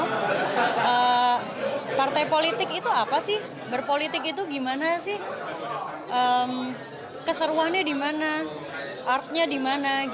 nah partai politik itu apa sih berpolitik itu gimana sih keseruahannya dimana artnya dimana